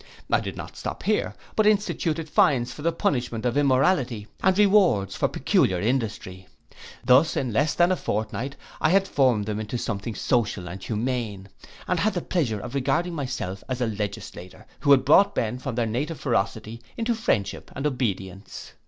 I did not stop here, but instituted fines for the punishment of immorality, and rewards for peculiar industry. Thus in less than a fortnight I had formed them into something social and humane, and had the pleasure of regarding myself as a legislator, who had brought men from their native ferocity into friendship and obedience.